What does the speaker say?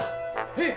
「えっ！？